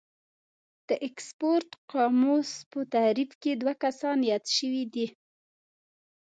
د اکسفورډ قاموس په تعريف کې دوه کسان ياد شوي دي.